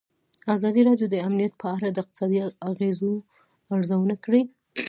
ازادي راډیو د امنیت په اړه د اقتصادي اغېزو ارزونه کړې.